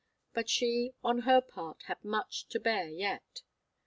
But she, on her part, had much to bear yet.